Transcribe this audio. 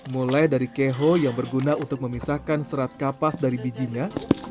mulai dari keho yang berguna untuk memisahkan serat kapas dari bijinya